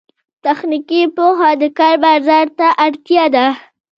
تخنیکي پوهه د کار بازار ته اړتیا ده